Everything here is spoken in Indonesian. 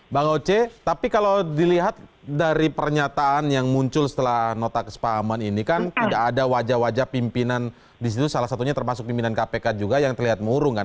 bang oce tapi kalau dilihat dari pernyataan yang muncul setelah nota kesepahaman ini kan tidak ada wajah wajah pimpinan di situ salah satunya termasuk pimpinan kpk juga yang terlihat murung kan